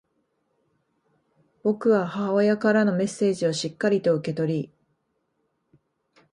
僕は母親からのメッセージをしっかりと受け取り、